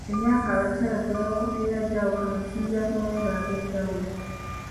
Emyaka abakyala kwe babakomolera gyawukana okusinziira ku mawanga ag'enjawulo